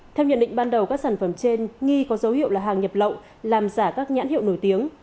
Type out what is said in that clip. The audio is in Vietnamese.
theo nhận định ban đầu các sản phẩm trên nghi có dấu hiệu là hàng nhập lậu làm giả các nhãn hiệu nổi tiếng